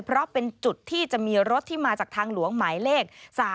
เพราะเป็นจุดที่จะมีรถที่มาจากทางหลวงหมายเลข๓๔